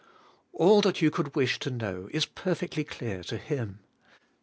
All that you can wish to know is perfectly clear to Him.